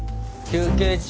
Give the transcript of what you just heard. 休憩中。